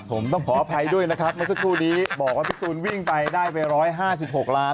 ผมต้องขออภัยด้วยนะครับมาสักครู่ที่บอกว่าพิธีศูนย์วิ่งไปได้ไปร้อยห้าสิบหกล้าน